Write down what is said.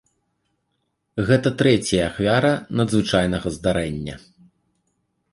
Гэта трэцяя ахвяра надзвычайнага здарэння.